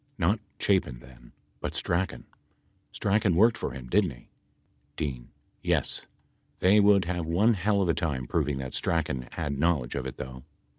Not Chapin then, but Strachan. Strachan worked for him, didn't he ? D. Yes. They would have one hell of a time proving that Strachan had knowledge of it, though.